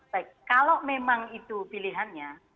baik kalau memang itu pilihannya